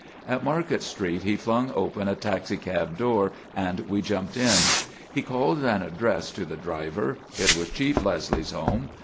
At Market Street he flung open a taxicab door and we jumped in. He called an address to the driver. It was Chief Leslie's home.